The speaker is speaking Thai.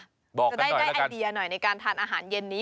จะได้ไอเดียหน่อยในการทานอาหารเย็นนี้